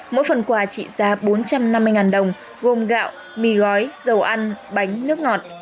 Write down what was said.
mỗi phần quà trị giá bốn trăm năm mươi đồng gồm gạo mì gói dầu ăn bánh nước ngọt